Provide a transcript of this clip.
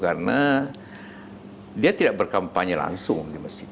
karena dia tidak berkampanye langsung di masjid